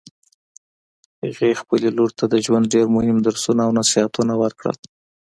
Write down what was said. هغې خپلې لور ته د ژوند ډېر مهم درسونه او نصیحتونه ورکړل